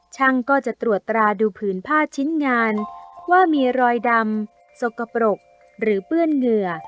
ช่างก็จะตรวจตราดูผืนผ้าชิ้นงานว่ามีรอยดำสกปรกหรือเปื้อนเหงื่อ